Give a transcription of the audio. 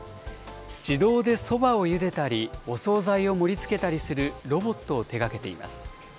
自動でそばをゆでたり、お総菜を盛りつけたりするロボットを手がけています。